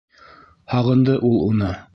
Һағынды ул уны.